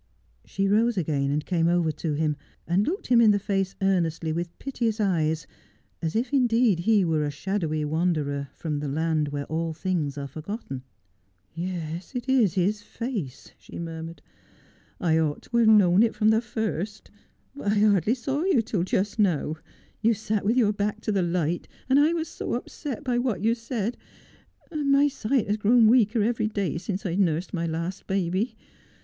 She rose again and came over to him, and looked him in the fae.e earnestly, with piteous eyes, as if indeed he were a shadowy wanderer from the land where all things are forgotten. ' Yes, it is his face,' she murmured. ' I ought to have known it from the first. But I hardly saw you till just now. You sat with your hark to the light, and I was so upset by what you said — and my sight has grown weaker every day since I've nursed my last baby.